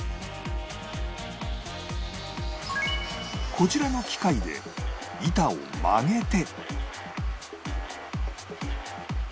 こちらの機械で板を曲げて